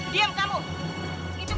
pergi kalau kirim